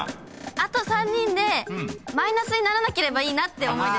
あと３人でマイナスにならなければいいなって思いです。